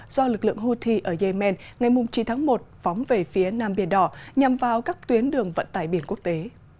do lực lượng houthi ở yemen ngày chín tháng một phóng về phía nam biển đỏ nhằm vào các tuyến đường vận tải biển quốc tế